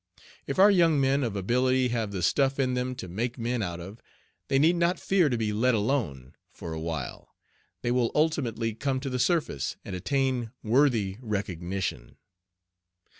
If our young men of ability have the stuff in them to make men out of, they need not fear "to be let alone" for a while; they will ultimately come to the surface and attain worthy recognition.'